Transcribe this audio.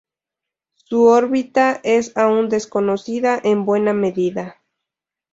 Su órbita es aún desconocida en buena medida.